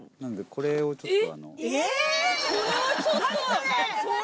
これはちょっと！